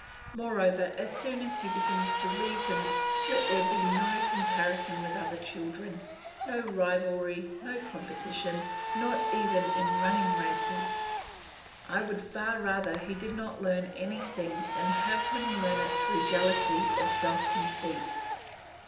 Moreover, as soon as he begins to reason let there be no comparison with other children, no rivalry, no competition, not even in running races. I would far rather he did not learn anything than have him learn it through jealousy or self conceit.